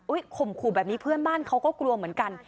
ข่มขู่แบบนี้เพื่อนบ้านเขาก็กลัวเหมือนกัน